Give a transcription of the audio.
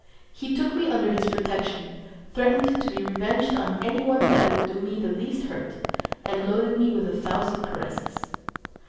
He took me under his protection, threatened to be revenged on any one that would do me the least hurt, and loaded me with a thousand caresses.